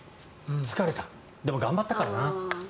疲れた、でも頑張ったからな。